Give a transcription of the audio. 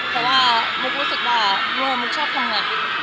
แต่ว่ามุกรู้สึกว่าเมื่อมุกชอบทำงาน